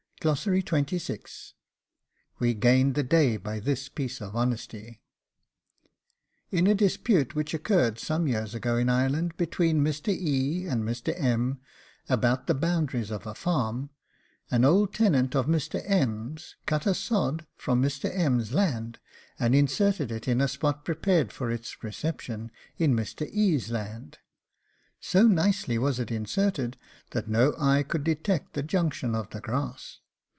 WE GAINED THE DAY BY THIS PIECE OF HONESTY. In a dispute which occurred some years ago in Ireland, between Mr. E. and Mr. M., about the boundaries of a farm, an old tenant of Mr. M.'s cut a SOD from Mr. M.'s land, and inserted it in a spot prepared for its reception in Mr. E.'s land; so nicely was it inserted, that no eye could detect the junction of the grass.